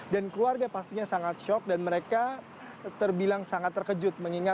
dan keluarga pastinya sangat shock dan mereka terbilang sangat terkejut